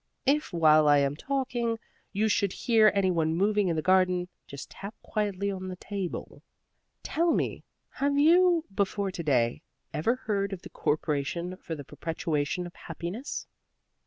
If, while I am talking, you should hear any one moving in the garden, just tap quietly on the table. Tell me, have you, before to day, ever heard of the Corporation for the Perpetuation of Happiness?"